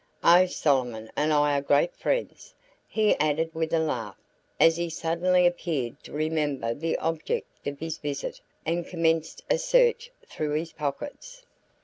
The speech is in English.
Oh, Solomon and I are great friends!" he added with a laugh, as he suddenly appeared to remember the object of his visit and commenced a search through his pockets.